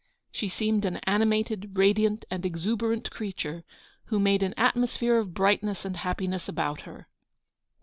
She seemed an animated, radiant, and exuberant creature, who made an atmosphere of brightness and happiness about her.